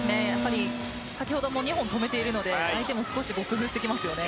先ほども２本止めているので相手も少し工夫してきますね。